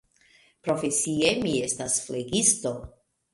Profesie mi estas flegisto.